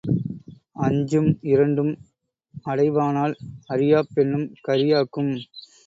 அஞ்சும் இரண்டும் அடைவானால் அறியாப் பெண்ணும் கறியாக்கும்.